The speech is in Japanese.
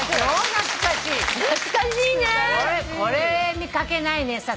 これ見掛けないね